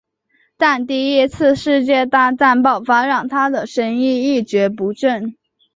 但第一次世界大战爆发让他的生意一蹶不振。